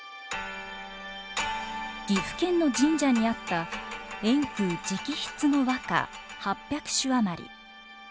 岐阜県の神社にあった円空直筆の和歌８００首余り。